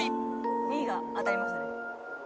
「２位が当たりましたね」